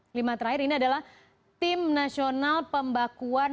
kelima terakhir ini adalah tim nasional pembakuan nama rupa bumi ya